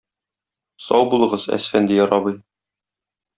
Сау булыгыз, Әсфәндияр абый.